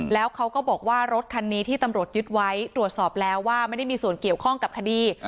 แล้วเขาก็บอกว่ารถคันนี้ที่ตำรวจยึดไว้ตรวจสอบแล้วว่าไม่ได้มีส่วนเกี่ยวข้องกับคดี